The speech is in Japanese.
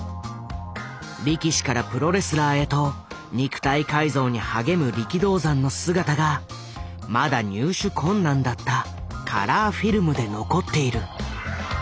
力士からプロレスラーへと肉体改造に励む力道山の姿がまだ入手困難だったカラーフィルムで残っている。